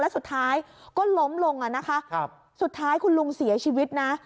สุดท้ายก็ล้มลงอ่ะนะคะสุดท้ายคุณลุงเสียชีวิตนะ